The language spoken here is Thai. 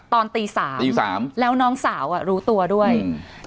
ตอนตีสามตีสามแล้วน้องสาวอ่ะรู้ตัวด้วยอืม